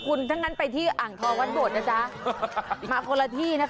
คุณถ้างั้นไปที่อ่างทองวัดโบดนะจ๊ะมาคนละที่นะคะ